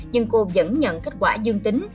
nhưng cô vẫn nhận kết quả dương tính